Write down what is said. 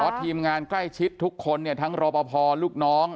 เพราะทีมงานใกล้ชิดทุกคนทั้งรปภลูกน้อง